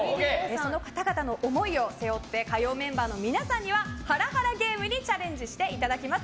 その方々の思いを背負って火曜メンバーの皆さんにはハラハラゲームにチャレンジしていただきます。